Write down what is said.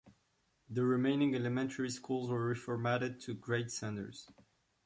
The remaining elementary schools were reformatted to grade centers.